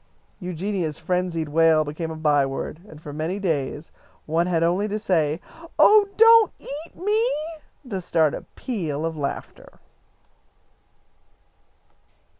Eugenia's frenzied wail became a byword, and for many days one had only to say, "Oh, don't eat me!" to start a peal of laughter.